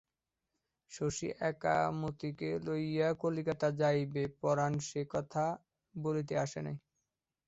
শশী একা মতিকে লইয়া কলিকাতা যাইবে, পরাণ সেকথা বলিতে আসে নাই।